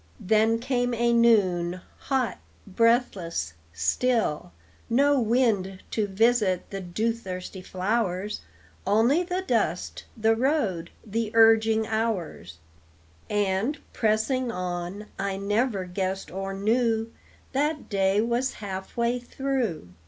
Then came a noon, hot, breathless, still, No wind to visit the dew thirsty flowers, Only the dust, the road, the urging hours; And, pressing on, I never guessed or knew That day was half way through.